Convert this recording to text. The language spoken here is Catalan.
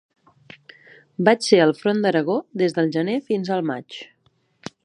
Vaig ser al front d'Aragó des del gener fins al maig